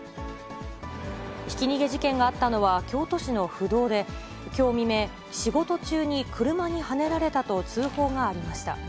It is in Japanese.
ひき逃げ事件があったのは、京都市の府道で、きょう未明、仕事中に車にはねられたと通報がありました。